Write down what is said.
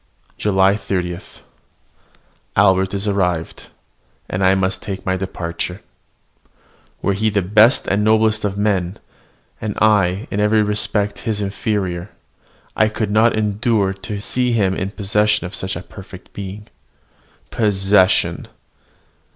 JULY 30. Albert is arrived, and I must take my departure. Were he the best and noblest of men, and I in every respect his inferior, I could not endure to see him in possession of such a perfect being. Possession!